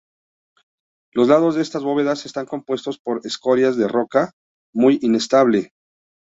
Los lados de estas bóvedas están compuestos de escoria de rocas muy inestable.